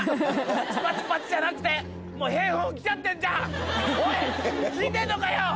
パチパチパチじゃなくてもう「ヘイホー」来ちゃってんじゃんおい聞いてんのかよ